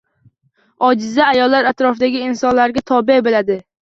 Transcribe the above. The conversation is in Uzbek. Ojiza ayollar atrofidagi insonlarga tobe boʻladi.